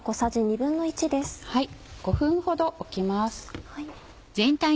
５分ほどおきます。